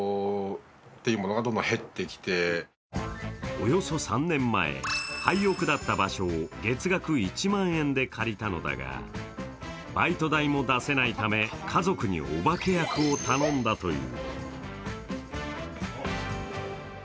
およそ３年前、廃屋だった場所を月額１万円で借りたのだがバイト代も出せないため家族にお化け役を頼んだという。